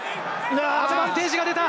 アドバンテージが出た！